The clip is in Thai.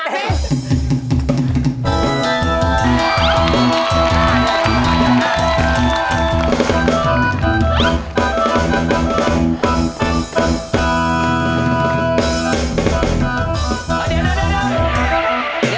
เดี๋ยว